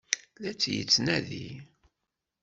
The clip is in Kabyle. La tt-yettnadi?